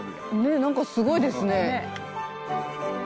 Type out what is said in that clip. なんかすごいですね。